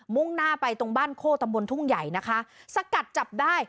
่งหน้าไปตรงบ้านโคตำบลทุ่งใหญ่นะคะสกัดจับได้